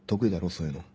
そういうの。